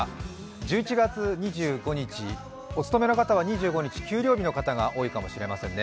１１月２５日、お勤めの方は２５日給料日の方が多いかもしれませんね。